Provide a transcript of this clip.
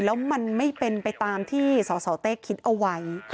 แล้วมันไม่เป็นไปตามที่สสเต้คิดเอาไว้